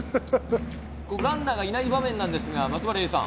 ランナーがいない場面なんですが、松原さん。